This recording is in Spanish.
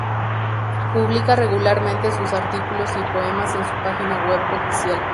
Publica regularmente sus artículos y poemas en su página web oficial.